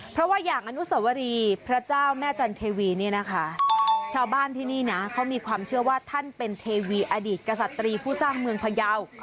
เพราะว่าอย่างอนุสวรีพระเจ้าแม่จันเทวีเนี่ยนะคะชาวบ้านที่นี่นะเขามีความเชื่อว่าท่านเป็นเทวีอดีตกษัตรีผู้สร้างเมืองพยาว